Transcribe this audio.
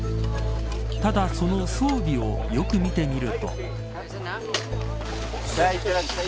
ただ、その装備をよく見てみると。